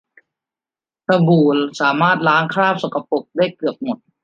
สบู่สามารถล้างคราบสกปรกได้เกือบหมด